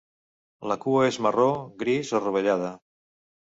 La cua és marró, gris o rovellada.